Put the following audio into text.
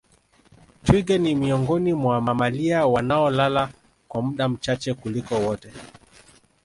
Twiga ni miongoni mwa mamalia wanaolala kwa muda mchache kuliko wote